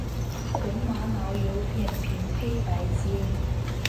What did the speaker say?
红玛瑙有扁平黑白阶。